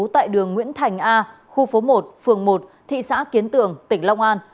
tại đường nguyễn thành a khu phố một phường một thị xã kiến tường tỉnh long an